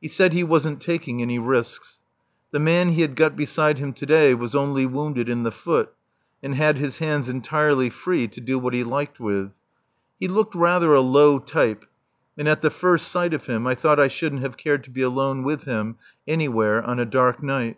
He said he wasn't taking any risks. The man he had got beside him to day was only wounded in the foot, and had his hands entirely free to do what he liked with. He looked rather a low type, and at the first sight of him I thought I shouldn't have cared to be alone with him anywhere on a dark night.